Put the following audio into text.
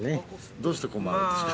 どうして困るんですか？